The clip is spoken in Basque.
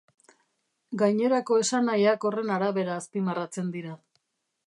Gainerako esanahiak horren arabera azpimarratzen dira.